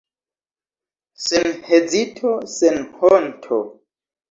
Sen hezito, sen honto!